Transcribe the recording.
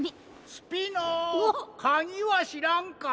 ・スピノかぎはしらんか？